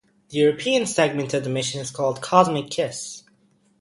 The European segment of the mission is called "Cosmic Kiss".